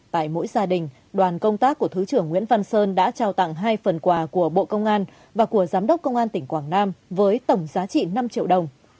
tại mỗi gia đình đoàn công tác của thứ trưởng nguyễn văn sơn đã trao tặng hai phần quà của bộ công an và của giám đốc công an tỉnh quảng nam với tổng giá trị năm triệu đồng